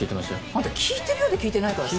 あんた聞いてるようで聞いてないからさ。